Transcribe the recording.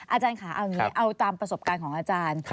อาจารย์ค่ะเอาอย่างนี้เอาตามประสบการณ์ของอาจารย์